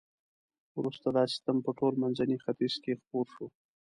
وروسته دا سیستم په ټول منځني ختیځ کې خپور شو.